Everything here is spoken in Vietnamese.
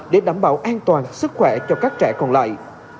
để đảm bảo an toàn sức khỏe cho các trẻ còn lại